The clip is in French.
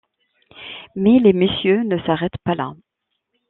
Mais les messieurs ne s'arrêtent pas là.